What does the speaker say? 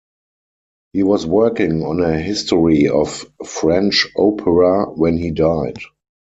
He was working on a history of French opera when he died.